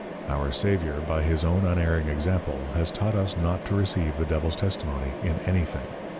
Our Saviour by his own unerring Example has taught us not to receive the Devil's Testimony in any thing.